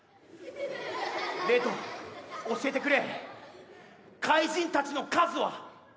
レッド教えてくれ怪人たちの数は？